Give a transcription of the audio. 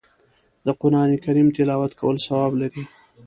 د قرآن کریم تلاوت کول ثواب لري